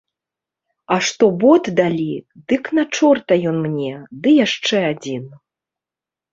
А што бот далі, дык на чорта ён мне, ды яшчэ адзін!